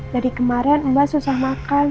dari kemarin mbak susah makan